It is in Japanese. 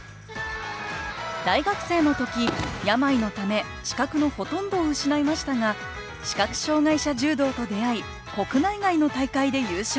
大学生の時病のため視覚のほとんどを失いましたが視覚障害者柔道と出会い国内外の大会で優勝。